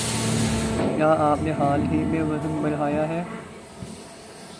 کیا آپ نے حال ہی میں وزن بڑهایا ہے